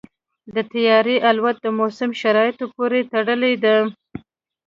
د طیارې الوت د موسم شرایطو پورې تړلې ده.